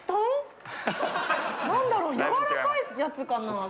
何だろう柔らかいやつかな？